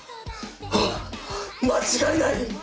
あっ間違いない！